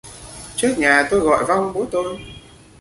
trước nhà tôi gọi vong bố tôi